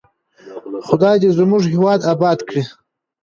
خدای دې زموږ هېواد اباد کړي.